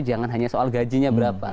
jangan hanya soal gajinya berapa